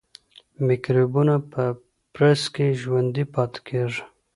میکروبونه په برس کې ژوندي پاتې کېږي.